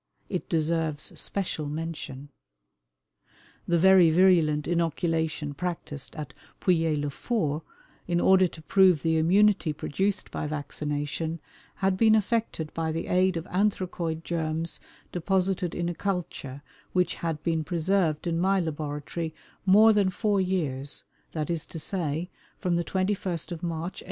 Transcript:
It deserves special mention. "The very virulent inoculation practiced at Pouilly le Fort, in order to prove the immunity produced by vaccination, had been effected by the aid of anthracoid germs deposited in a culture which had been preserved in my laboratory more than four years, that is to say, from the 21st March, 1877.